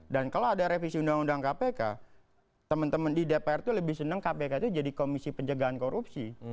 dan kalau ada revisi undang undang kpk temen temen di dpr itu lebih senang kpk itu jadi komisi penjagaan korupsi